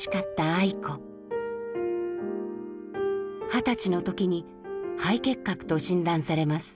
二十歳の時に肺結核と診断されます。